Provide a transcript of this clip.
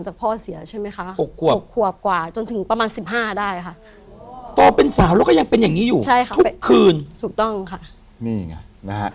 ใช่ค่ะถูกต้องค่ะ